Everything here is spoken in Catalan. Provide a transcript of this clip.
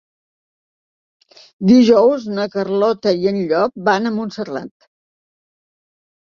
Dijous na Carlota i en Llop van a Montserrat.